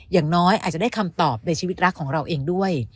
อย่างน้อยอาจจะได้คำตอบในชีวิตรักของเราเองด้วย